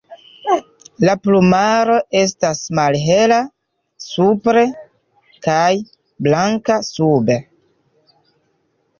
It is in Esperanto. La plumaro estas malhela supre kaj blanka sube.